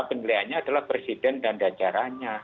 pemilihannya adalah presiden dan dajarannya